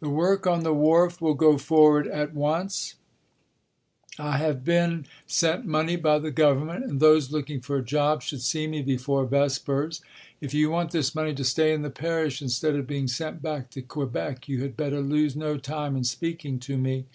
"The work on the wharf will go forward at once ... I have been sent money by the Government, and those looking for a job should see me before vespers. If you want this money to stay in the parish instead of being sent back to Quebec you had better lose no time in speaking to me."